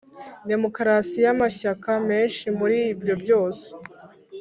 demokarasi y’amashyaka menshi. muri ibyo byose